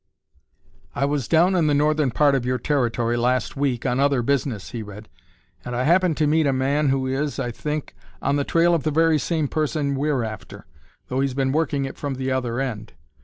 "I was down in the northern part of your Territory last week on other business," he read, "and I happened to meet a man who is, I think, on the trail of the very same person we're after, though he's been working it from the other end.